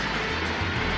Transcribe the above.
jangan makan aku